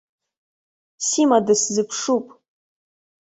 Сима дысзыԥшуп.